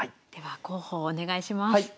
では候補をお願いします。